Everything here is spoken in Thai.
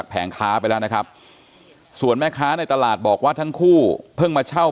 พี่ก็เลยไม่ค่อยได้สนใจ